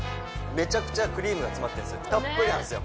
めちゃくちゃクリームが詰まってるんですよたっぷりなんですよ